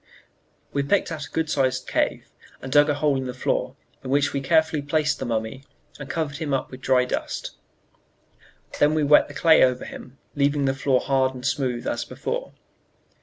We picked out a good sized cave, and dug a hole in the floor, in which we carefully placed the mummy and covered him up with dry dust; then we wet the clay over him, leaving the floor hard and smooth as before.